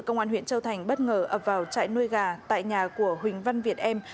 công an huyện châu thành bất ngờ ập vào trại nuôi gà tại nhà của huỳnh văn việt em